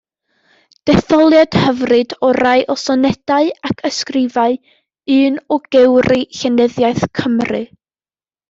Detholiad hyfryd o rai o sonedau ac ysgrifau un o gewri llenyddiaeth Cymru.